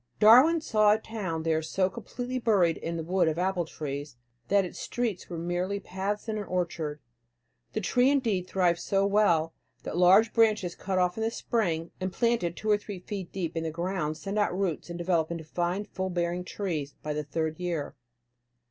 Darwin saw a town there so completely buried in a wood of apple trees, that its streets were merely paths in an orchard. The tree indeed thrives so well, that large branches cut off in the spring and planted two or three feet deep in the ground send out roots and develop into fine full bearing trees by the third year.